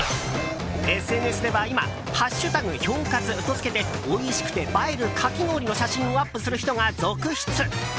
ＳＮＳでは今「＃氷活」とつけておいしくて映えるかき氷の写真をアップする人が続出。